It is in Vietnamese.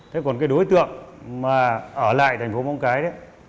thế còn cái đối tượng mà ở lại thành phố móng cái đấy